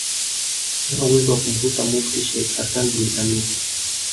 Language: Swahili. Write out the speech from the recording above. hana uwezo wa kumgusa Mufti Sheikh Hassan bin Amir